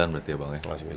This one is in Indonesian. sembilan berarti ya bang ya